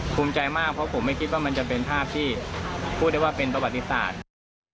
ภูมิใจมากเพราะผมไม่คิดว่ามันจะเป็นภาพที่พูดได้ว่าเป็นประวัติศาสตร์นะครับ